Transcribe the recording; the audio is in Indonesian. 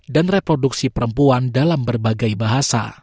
dan reproduksi perempuan dalam berbagai bahasa